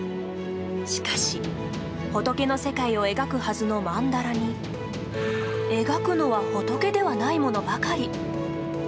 しかし、仏の世界を描くはずのマンダラに描くのは仏ではないものばかり。